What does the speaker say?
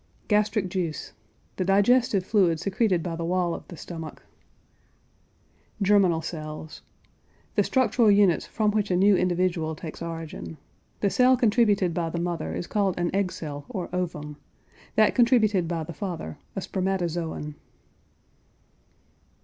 GASTRIC JUICE. The digestive fluid secreted by the wall of the stomach. GERMINAL CELLS. The structural units from which a new individual takes origin. The cell contributed by the mother is called an egg cell or ovum; that contributed by the father, a spermatozoon.